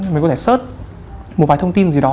mình có thể search một vài thông tin gì đó